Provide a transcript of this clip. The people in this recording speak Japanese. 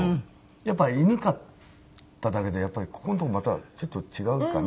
やっぱり犬飼っただけでここのところまたちょっと違うかね？